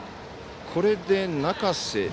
これで中瀬